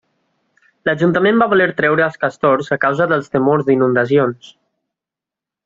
L'ajuntament va voler treure als castors a causa dels temors d'inundacions.